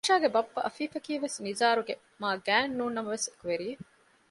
އާޝާގެ ބައްޕަ އަފީފަކީވެސް ނިޒާރުގެ މާގާތް ނޫންނަމަވެސް އެކުވެރިއެއް